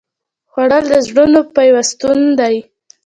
خوړل د زړونو پیوستون دی